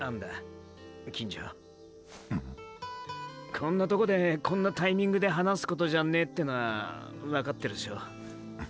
こんなトコでこんなタイミングで話すことじゃアねェってのはわかってるショ。